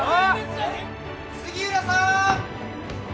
杉浦さん！